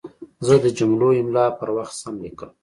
زه د جملو املا پر وخت سم لیکم.